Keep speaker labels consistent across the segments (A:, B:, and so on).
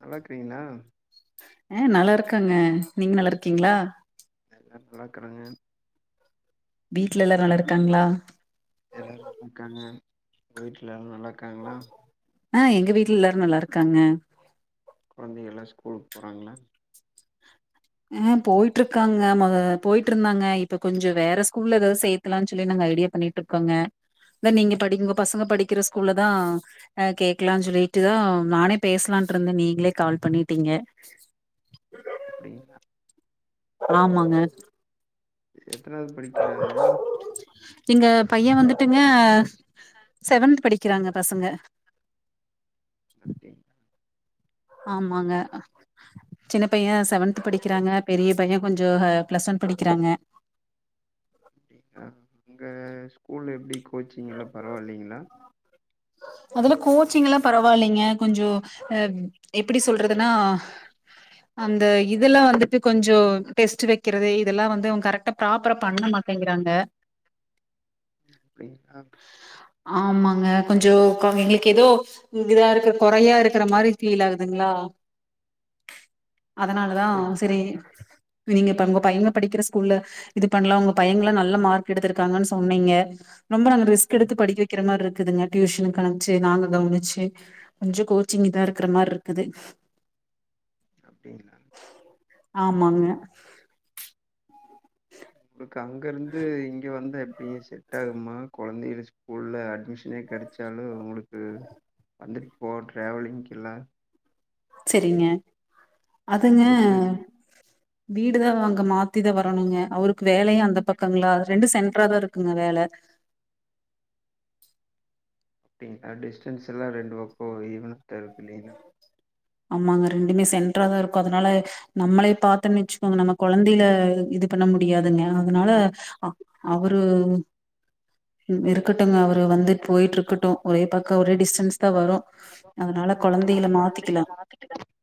A: நல்லாருக்றீங்ளா
B: அ நல்லாருக்காங்க நீங்க நல்லார்க்கீங்களா
A: அதுல்லா நல்லாக்றாங்க
B: வீட்ல எல்லாரு நல்லாருக்காங்ளா
A: எல்லாரு நல்லாருக்காங்க ஒங்க வீட்ல எல்லாரு நல்லாருக்காங்களா
B: அ எங்க வீட்ல எல்லாரு நல்லாருக்காங்க
A: கொழந்தைகள்லா ஸ்கூலுக் போறாங்களா
B: அ போயிட்ருக்காங்க மொத போயிட்ருந்தாங்க இப்ப கொஞ்சோ வேற ஸ்கூல்ல ஏதாது சேத் க்கலான்ஞ்சொல்லி நாங்க ஐடியா பண்ணிட்ருக்கோங்க அதான் நீங்க படிக் உங்க பசங்க படிக்கிற ஸ்கூல்லதா அ கேக்கலா சொல்லிட்டுதா நா பேசலான்ட்ருந்தே நீங்களே கால் பண்ணிட்டீங்க
A: அப்டிங்ளா
B: ஆமாங்க
A: எத்னாது படிக்கிறாங்க
B: எங்க பையன் வந்துட்டுங்க செவன்த் படிக்கிறாங்க பசங்க
A: அப்டிங்கா
B: ஆமாங்க சின்ன பையன் செவன்த்து படிக்கிறாங்க பெரிய பையன் கொஞ்சோ பிளஸ் ஒன் படிக்கிறாங்க
A: ஆ அங்க ஸ்கூல்ல எப்டி கோச்சிங்லா பரவால்லீங்ளா
B: அதுல கோச்சிங்லா பரவால்லிங்க கொஞ்சோ அ எப்பிடி சொல்றதுனா அந்த இதுல்லா வந்துட்டு கொஞ்சோ டெஸ்ட் வைக்கிறது இதல்லா வந்து அவன் கரெக்ட்டா ப்ராப்பரா பண்ண மாட் டேங்றாங்க [unintelligible]
A: அப்டிங்ளா
B: ஆமாங்க கொஞ்சோ கம் எங்குளுக் எதோ இதாருக்கு கொறையாருக்குற மாரி ஃபீலாகுதுங்ளா அதனாலதா
A: செரி
B: சேரி நீங்க இப்ப ஒங்க பையங்க படிக்கிற ஸ்கூல்ல இது பண்ணலா ஒங்க பையங்கலா நல்ல மார்க் எடுத்துருக்காங்க சொன்னீங்க ரொம்ப நாங்க
A: ஓ
B: ரி்ஸ்கெடுத்து படிக்க வக்கிற மாரிருக்குதுங்க டியூஷ்னு ஆகவனவனுச்சு நாங்க கவனிச்சு கொஞ்சோ கோச்சிங் இதா இருக்கிற மாரி இருக்குது
A: அப்படிங்களா
B: ஆமாங்க
A: உங்களுக்கு அங்க இருந்து இங்க வந்த எப்படியே [unintelligible] ட்டாகுமா கொழந்தைகள் ஸ்கூல்ல அட்மிஷனே கெடைச்சாலு உங்களுக்கு வந்துட்டு போ ட்ராவலிங்குகெல்லா
B: செரிங்க அதுங்க
A: உங்களுக்கு ரிஸ்க்
B: வீடுதா அங்க மாத்திதா வரணுங்க அவருக்கு வேலையு அந்த பக்கங்களா ரெண்டு சென்டரா தா இருக்குங்க வேல
A: அப்படிங்களாடிஸ்டன்ஸ் எல்லா ரெண்டு பக்கோ ஈவனதா இருக்கு இல்லைங்கலா
B: ஆமாங்க ரெண்டுமே சென்றாதா இருக்கு அதனால நம்மளே பாத்தோனு வச்சுக்கோங்க நம்ம கொழந்தையில இது பண்ண முடியாதுங்க அதனால அ அவரு இருக்கட்டங்க அவரு வந்துட்டு போயிட்டு இருக்கட்டோம் ஒரே பக்கம் ஒரே டிஸ்டன்ஸ் தான் வரும் அதனால கொழந்தைகள மாத்திக்கலா
A: [unintelligible]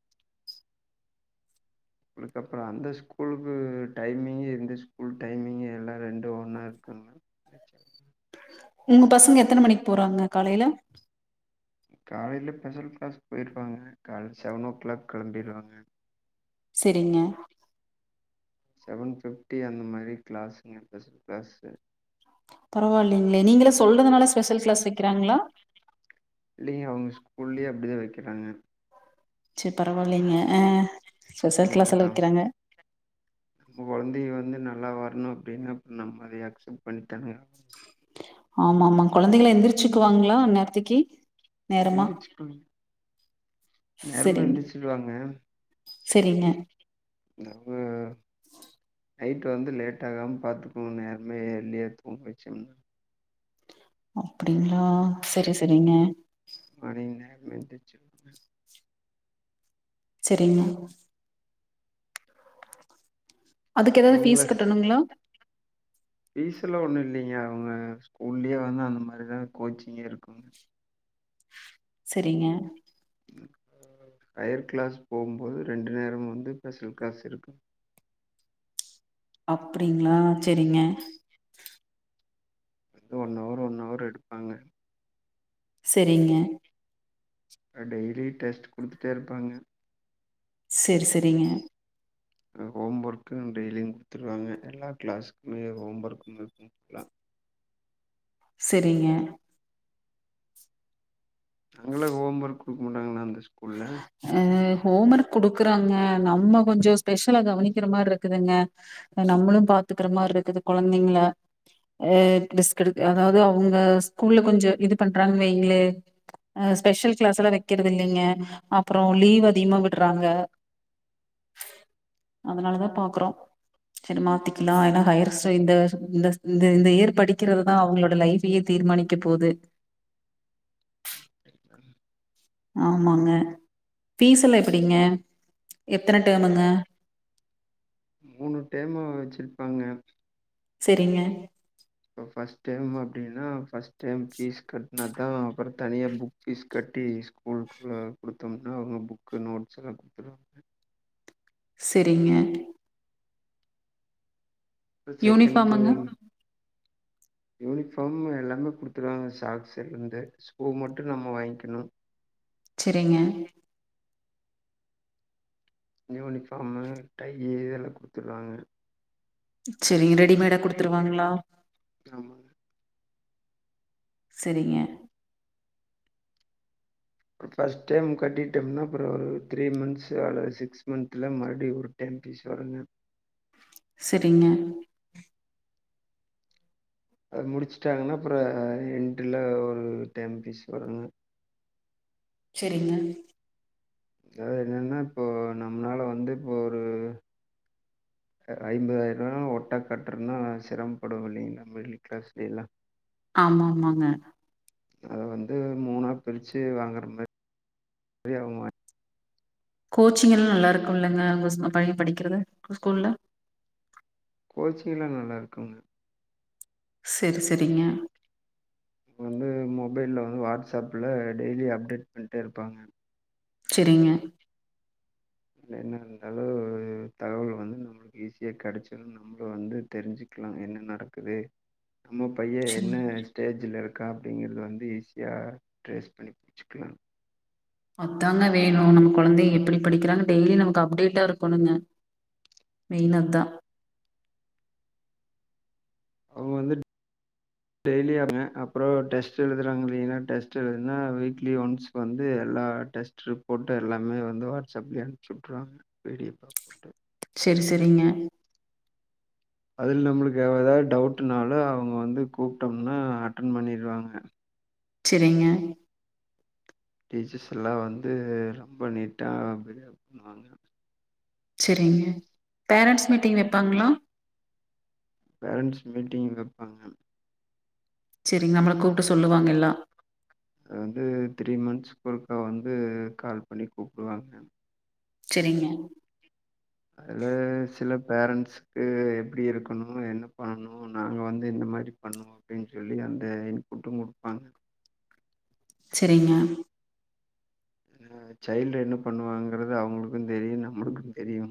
A: அதுக்கு அப்புறோ அந்த ஸ்கூலுக்கு டைமிங்கு இந்த ஸ்கூல் டைமிங்கு எல்லா ரெண்டு ஒன்னா இருக்குதுங்களா [inaudible]
B: உங்க பசங்க எத்தன மணிக்கு போகறாங்க காலையில
A: காலையில ஸ்பெஷல் கிளாஸ் போயிருவாங்க காலையில் செவனே ஓ கிளாக் கிளம்பிடுவாங்க
B: செரிங்க
A: செவன் ஃபிப்டி அந்த மாதிரி கிளாஸுங்க ஸ்பெஷல் கிளாஸ்சு
B: பரவாயில்லைங்களே நீங்களே சொல்றதுனால ஸ்பெஷல் கிளாஸ் வெக்கிறாங்களா
A: இல்லைங்க அவங்க ஸ்கூல்லேயே அப்படிதா வெக்கிறாங்க
B: செரி பரவாயில்லைங்க அ
A: ஏன்னா நா [unintelligible] நம்ம கொழந்தைங்க வந்து நல்லா வரணு அப்படின்னா நம்ம அதை அக்செப்ட் பண்ணி தானுங்க
B: ஆமா ஆமா கொழந்தைகளா எந்திரிச்சுக்குவாங்களா அந்த நேரத்துக்கி
A: எந்திரிச்சுப்பாங்க நேரமா
B: சரிங்க.
A: எந்திருச்சுவாங்க
B: சரிங்க
A: [unintelligible] நைட்டு வந்து லேட் ஆகா பாத்துக்கோங்க நேரமே எரிளிய தூங்க வெச்சிருங்க
B: அப்படிங்களா சேரி சேரிங்க
A: அணைந்து அணைந்துச்சு
B: செரிங்கண்ணா அதுக்கு எதாவது ஃபீஸ் கட்டணுங்களா
A: ஃபீஸல்லா ஒன்னு இல்லைங்க அவங்க ஸ்கூல்லேயே வந்து அந்த மாரி தா கோச்சிங்கே இருக்கு
B: சரிங்க
A: ஹையர் கிளாஸ் போம்போது ரெண்டு நேரமு வந்து ஸ்பெஷல் கிளாஸ் இருக்கு
B: அப்படிங்களா செரிங்க
A: அ ஒன் ஹவர் ஒன் ஹவர் எடுப்பாங்க
B: செரிங்க
A: அ டெய்லி டெஸ்ட்டு குடுத்துட்டே இருப்பாங்க
B: செரி செரிங்க
A: [unintelligible] ஹோம் ஒர்க்கு டெய்லியு கொடுத்துருவாங்க எல்லா கிளாஸக்குமே ஹோம் ஒர்க்குமே கொடுத்துலா
B: செரிங்க
A: அங்கள்ளா ஹோம் ஒர்க் குடுக்க மாட்டாங்கண்ணா அந்த ஸ்கூல்ல
B: அ ஹோம் ஒர்க் குடுக்குறாங்க நம்ம கொஞ்சு ஸ்பெஷ்லா கவனிக்கிற மாரி இருக்குதுங்க அ நம்மளு பாத்துக்குற மாரி இருக்குது கொழந்தைங்கள ஹ ரிஸ்க் எடுக்கு அதாவது அவங்க ஸ்கூல்ல கொஞ்சோ இது பண்றாங்க வைங்களே ஆஹ் ஸ்பெஷல் கிளாஸ் எல்லா வேக்கறது இல்லேங்க அப்றோ லீவ் அதிகமா விரறாங்க அதனால தா பாக்கறோ சேரி மாத்திக்கலா ஏன்னா ஹையர் [unintelligible] இந்த இந்த இயற் படிக்கிறது தா அவங்களோட லைஃபையே தீர்மானிக்க போது
A: [unintelligible]
B: ஆமாங்க ஃபீஸ்ஸெல்லா எப்டிங்க எத்தன டேமுங்க
A: மூணு டேமு வச்சிருப்பாங்க
B: சேரிங்க
A: இப்ப ஃபர்ஸ்ட் டேம் அப்டின்னா ஃபர்ஸ்ட் டேம் ஃபீஸ் கட்டுனா தா அப்றோ தனிய புக் ஃபீஸ் கட்டி ஸ்கூலுக்குள்ள கொடுத்தோம்னா அவங்க புக்கு நோட்ஸ் எல்லா கொடுத்துருவாங்க
B: சேரிங்க
A: செகண்ட
B: யூனிஃபார்முங்க
A: டேம் யூனிஃபார்ம் எல்லாமே கொடுத்துருவாங்க சாக்ஸ்லிருந்து சூ மட்டு நம்ம வாங்கிக்கணு
B: சேரிங்க
A: யூனிஃபார்மு டையு இதெல்லா குடுத்துருவாங்க
B: சேரி ரெடிமேடா குடுத்துருவாங்களா
A: ஆமா
B: சேரிங்க
A: ஃபர்ஸ்ட் டேம் கட்டிட்டோம்னா அப்றோ ஒரு த்ரீ மந்த் அல்லது சிக்ஸ் மந்த்ல மறுபடியு ஓரு டேம் பீஸ் வருங்க
B: சேரிங்க
A: அது முடிச்சுட்டாங்கன்னா அப்பறோ எண்டில ஒரு டேன் பீஸ் வரும்
B: சேரிங்க
A: அதாவது என்னென்னா இப்ப நம்மளால வந்து இப்ப ஒரு ஐம்பதாயிர ஒட்டா கட்றன்னா சிரமப்படுவோ இல்லேங்களா மிடில் கிளாஸ்ல எல்லா
B: ஆமா ஆமாங்க
A: அத வந்து மூணா பிரிச்சு வாங்கற மாறி [unintelligible]
B: கோச்சிங் எல்லா நல்லா இருக்கும்லங்க உங்க பைய்ய படிக்கிறது ஸ்கூல்ல
A: கோச்சிங்லா நல்லாருக்குங்க
B: சேரி சேரிங்க
A: வந்து மொபைல்ல வந்து வாட்ஸ்அப்ல டெய்லி அப்டேட் பண்டே இருப்பாங்க
B: சேரிங்க
A: என்ன இருந்தாலும் தகவல் வந்து நம் ஈஸியா கிடச்சதுனு நம்மளு வந்து தெரிஞ்சுக்கலா என்ன நடக்குது நம்ம பையன்
B: சரி
A: என்ன வே ஸ்டேஜ்ல இருக்கா அப்டிங்குறது வந்து ஈஸியாக ட்ரேஸ் பண்ணி புடிச்சுக்கலா
B: அத்தாங்க வேணு நம்ம கொழந்தய எப்டி படிக்கிறாங்க டெய்லி நமக்கு அப்டேட்டா இருக்கணுங்க மெயின் அதா
A: அவங்க வந்து டெய்லி ஆங்க அப்றோ டெஸ்ட் எழுதுறாங்க இல்லேங்களா டெஸ்ட் எழுதுனா வீக்லி ஒன்ஸ் இப்போ வந்து எல்லா டெஸ்ட் ரிப்போர்டு எல்லாமே வந்து வாட்ஸ்அப்லயே அனுப்ச்சு வுட்ருவாங்க வீடியோ பா
B: சேரி சேரிங்க
A: அதில நம்மளுக்கு எதாவது டவுட்னாலு அவங்க வந்து கூப்ட்டோம்னா அட்டன் பண்ணிருவாங்க
B: செரிங்க
A: டீச்சர்ஸ் எல்லா வந்து ரொம்ப நீட்டா பிஹேவ் பண்ணுவாங்க
B: செரிங்க பேரண்ட்ஸ் மீட்டிங் வைப்பாங்களா
A: பேரண்ட்ஸ் மீட்டிங் வைப்பாங்க
B: செரிங் நம்மள கூப்ட்டு சொல்லுவாங்க எல்லா
A: அது வந்து த்ரீ மந்த்ஸ் ஒருக்கா வந்து கால் பண்ணி கூப்பிடுவாங்க
B: செரிங்க
A: அதுல சில பேரண்ட்ஸ் க்கு எப்டி இருக்கணு என்ன பண்ணனு நாங்க வந்து இந்த மாரி பண்ணுவோ அப்டின்னு சொல்லி அந்த இன்புட்டு குடுப்பாங்க
B: செரிங்க
A: ஏன்னா அந்த சைல்டு என்ன பண்ணுவாங்கிறது அவங்களுக்கு தெரியு நம்மளுக்கு தெரியு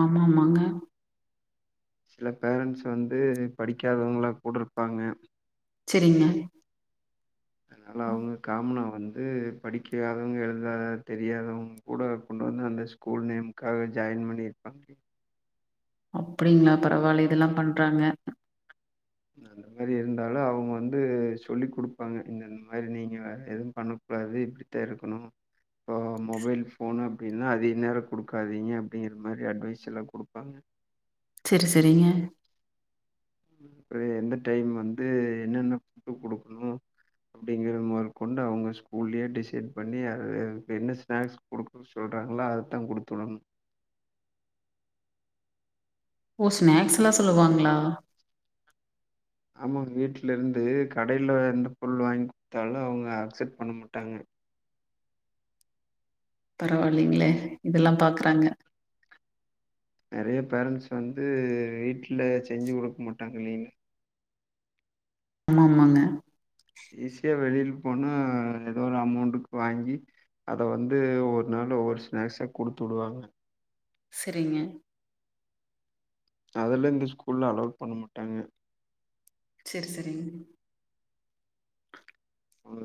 B: ஆமாமாங்க
A: சில பேரண்ட்ஸ் வந்து படிக்காதவங்களா கூட இருப்பாங்க
B: செரிங்க
A: அதனால அவங்க காமனா வந்து படிக்காதவங்க எழுதாத தெரியாதவங்க கூட கொண்டு வந்து அந்த ஸ்கூல் நேமுக்காக ஜாயின் பண்ணியிருப்பாங்க
B: அப்டிங்களா பரவாயில்ல இதெல்லா பண்றாங்க
A: அந்த மாரி இருந்தாலு அவங்க வந்து சொல்லி குடுப்பாங்க இந்தந்த மாரி நீங்க வேற எதுவு பண்ண கூடாது இப்டித்தா இருக்கணு இப்போ மொபைல் ஃபோனு அப்டின்னா அதிக நேரோ குடுக்காதீங்க அப்டிங்கிற மாரி அட்வைஸ் எல்லா குடுப்பாங்க
B: செரி செரிங்க
A: அப்ற எந்த டைம் வந்து என்னென்ன ஃபட்டு குடுக்கணு அப்டிங்கறத மொதல் கொண்டு அவங்க ஸ்கூல்லயே டிசைட் பண்ணி அத என்ன ஸ்நாக்ஸ் குடுக் சொல்றாங்களா அததா குடுத்து விடனு
B: ஓ ஸ்நாக்ஸ் எல்லா சொல்லுவாங்களா
A: ஆமாங்க வீட்ல இருந்து கடில எந்த பொருள் வாங்கி குடுத்தாலு அவங்க அக்செப்ட் பண்ண மாட்டாங்க
B: பரவாயில்லிங்களே இதெல்லா பாக்குறாங்க
A: நெறைய பேரண்ட்ஸ் வந்து வீட்ல செஞ்சு குடுக்க மாட்டாங்கில்லிங்
B: ஆமா ஆமாங்க
A: ஈஸியா வெளில போனா ஏதோ ஒரு அமௌண்ட்டுக்கு வாங்கி அத வந்து ஒவ்வொரு நாள் ஒவ்வொரு ஸ்நாக்ஸ்சா குடுத்து விடுவாங்க
B: செரிங்க
A: அதெல்லா இந்த ஸ்கூல்ல அலோட் பண்ண மாட்டாங்க
B: செரி செரிங்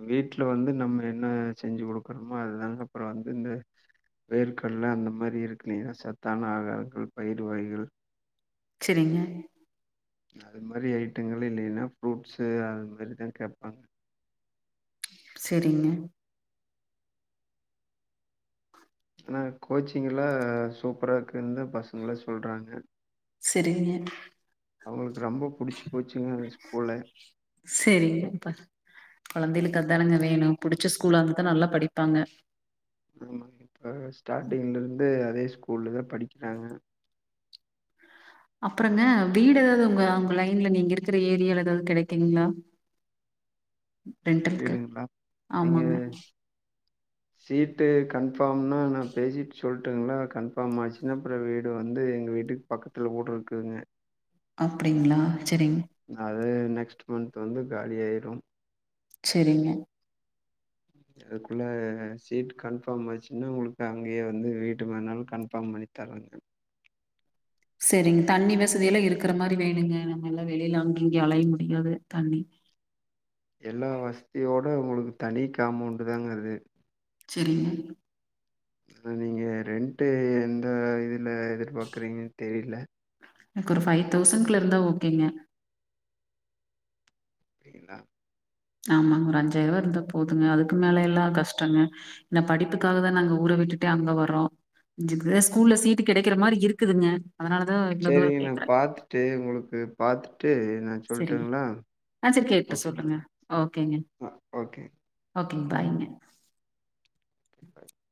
A: வீட்ல வந்து நம்ம என்ன செஞ்சு குடுக்குறோமோ அதுதாங்க அப்றோ வந்து இந்த வேர்க்கடல அந்த மாரி இருக்குல்லியா சத்தான ஆகாரங்கள் பயிர் வகைகள்
B: செரிங்க
A: அது மாரி ஐட்டங்கள் இல்லனா ஃப்ரூட்ஸ்சு அது மாரி தா கேப்பாங்க
B: செரிங்க
A: ஆனா கோச்சிங்க் எல்லா சூப்பரா இருக்குன்னு தா பசங்களே சொல்றாங்க
B: சரிங்க,
A: அவங்களுக்கு ரொம்ப புடிச்சி போச்சுங்க அந்த ஸ்கூல
B: செரி அப்ப கொழந்தைகளுக்கு அதானங்க வேணு புடிச்ச ஸ்கூல்லா இருந்துதா நல்லா படிப்பாங்க
A: ஆமாங் இப்போ ஸ்டார்ட்டிங்லேருந்து அதே ஸ்கூல்ல தா படிக்கிறாங்க
B: அப்புறங்க வீடு ஏதாவது உங்க உங்க லைன்ல நீங்க இருக்கிற ஏரியால ஏதாவது கெடைக்குங்களா
A: வீடுங்களா நீங்க
B: ஆமாங்க.
A: ஸ் சீட்டு கன்ஃபார்ம்னா நா பேசிட் சொல் ட்டுங்களா அது கன்ஃபாம் ஆச்சுன்னா அப்புறோ வீடு வந்து எங்க வீட்டுக் பக்கத்துல கூட இருக்குங்க
B: அப்டிங்ளா சேரிங்
A: அது நெக்ஸ்ட் மந்த் வந்து காலி ஆயிடு
B: சேரிங்க
A: அதுக்குள்ள சீட் கன்ஃபாம் ஆச்சுன்னா உங்குளுக் அங்கேயே வந்து வீட்டு வேனாலு கன்ஃபாம் பண்ணி [inaudible]
B: சேரிங் தண்ணி வசதில்லா இருக்கிற மாரி வேணுங்க நம்ம எல்லா வெளியில அங்க இங்கயு அலைய முடியாது தண்ணி
A: எல்லா வஸ்தியோட உங்குளுக் தனி காம்மௌண்ட தாங்க அது
B: சேரிங்க
A: அதா நீங்க ரெண்ட்டு எந்த இதுல எதிர்பார்க்குறீங்கன் தெரில
B: எனக் ஒரு ஃபைவ் தௌசன்குல்ல இருந்தா ஓகேங்க
A: அப்டிங்களா
B: ஆமாங்க ஒரு அஞ்சாயிர் ரூவா இருந்தா போதுங்க அதுக்கு மேல எல்லா கஷ்டோங்க இந்த படிப்புக்காக தா நாங்க ஊர விட்டுட்டே அங்க வர்றோ [unintelligible] ஸ்கூல்ல சீட்டு் கெடைக்கிற மாரி இருக்குதுங்க அதனாலதா இவ்ளோ தூர கேக்கறே
A: ட்டு உங்குளுக்கு பாத்துட்டு என்னாச்சு
B: சரிங்க.
A: சொல்ட்டுங்களா
B: ஆ சரி கேட்டு
A: ஓகே
B: சொல்லுங்க.
A: ஆ ஓகே
B: ஓகேங் பாய்ங்க
A: [inaudible]